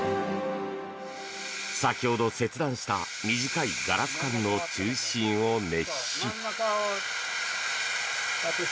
先ほど切断した短いガラス管の中心を熱し。